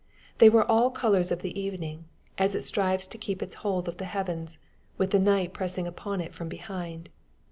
They were all colors of the evening, as it strives to keep its hold of the heavens, with the night pressing upon it from behind.